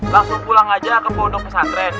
langsung pulang aja ke pondok pesantren